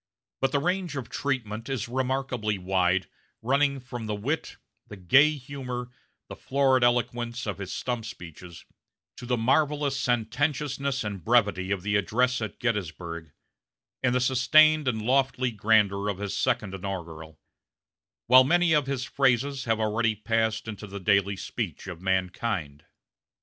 But the range of treatment is remarkably wide, running from the wit, the gay humor, the florid eloquence of his stump speeches, to the marvelous sententiousness and brevity of the address at Gettysburg, and the sustained and lofty grandeur of his second inaugural; while many of his phrases have already passed into the daily speech of mankind.